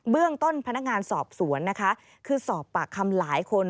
เรื่องต้นพนักงานสอบสวนนะคะคือสอบปากคำหลายคน